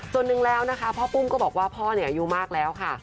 ส่วนหนึ่งแล้วนะคะพ่อปุ้มก็บอกว่าพ่ออายุมากแล้วค่ะ